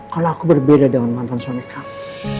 kalau aku berbeda dengan mantan suami kamu